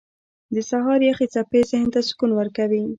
• د سهار یخې څپې ذهن ته سکون ورکوي.